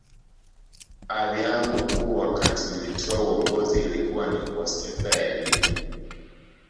Ari yangu kuu wakati nilitwaa uongozi ilikuwa ni kwa sekta ya elimu